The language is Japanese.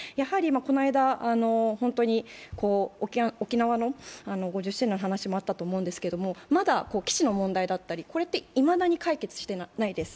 この間、沖縄の５０周年の話もあったと思うんですけれども、まだ基地の問題だったり、これっていまだに解決していないです。